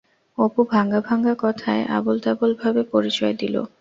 অপু ভাঙা ভাঙা কথায় আবোলতাবোল ভাবে পরিচয় দিল।